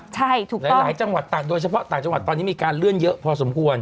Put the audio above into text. ใช่ถูกแล้วแต่หลายจังหวัดต่างโดยเฉพาะต่างจังหวัดตอนนี้มีการเลื่อนเยอะพอสมควร